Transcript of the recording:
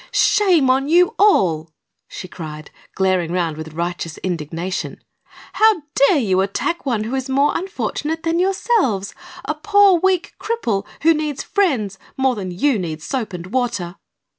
"Shame on you all!" she cried, glaring around with righteous indignation. "How dare you attack one who is more unfortunate than yourselves a poor, weak cripple, who needs friends more than you need soap and water?"